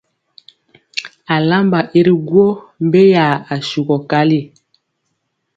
Alamba i ri gwo mbeya asugɔ kali.